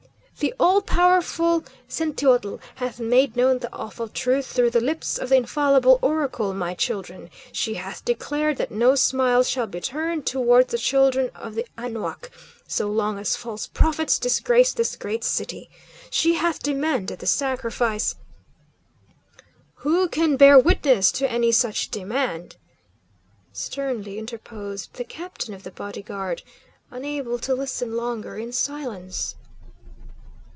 "The all powerful Centeotl hath made known the awful truth through the lips of the infallible oracle, my children! She hath declared that no smiles shall be turned towards the children of Anahuac so long as false prophets disgrace this great city! She hath demanded the sacrifice " "Who can bear witness to any such demand?" sternly interposed the captain of the body guard, unable to listen longer in silence.